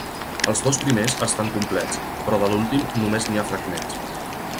Els dos primers estan complets, però de l'últim només n'hi ha fragments.